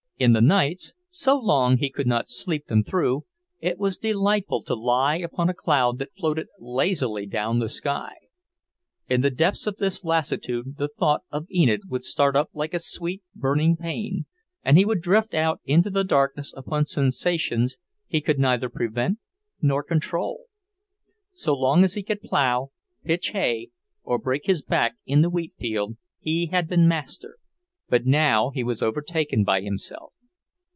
In the nights, so long he could not sleep them through, it was delightful to lie upon a cloud that floated lazily down the sky. In the depths of this lassitude the thought of Enid would start up like a sweet, burning pain, and he would drift out into the darkness upon sensations he could neither prevent nor control. So long as he could plough, pitch hay, or break his back in the wheatfield, he had been master; but now he was overtaken by himself.